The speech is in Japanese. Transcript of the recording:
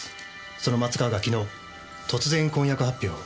その松川が昨日突然婚約発表を。